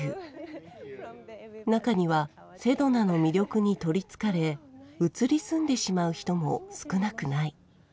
中にはセドナの魅力に取りつかれ移り住んでしまう人も少なくない。